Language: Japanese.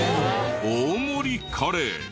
大盛りカレー！